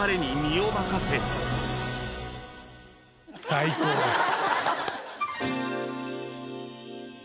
最高です。